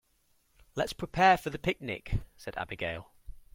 "Let's prepare for the picnic!", said Abigail.